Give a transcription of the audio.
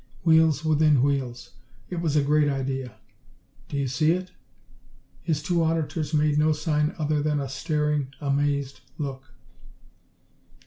Wheels within wheels! It was a great idea. Do you see it?" His two auditors made no sign other than a staring, amazed look.